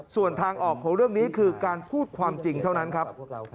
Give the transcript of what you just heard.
ส่วนทางออกของเรื่องนี้คือการพูดความจริงเท่านั้นครับ